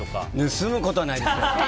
盗むことはないです！